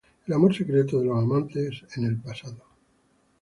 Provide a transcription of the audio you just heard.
El amor secreto de los amantes en el pasado.